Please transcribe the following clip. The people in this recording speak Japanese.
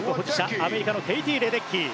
アメリカのケイティ・レデッキー。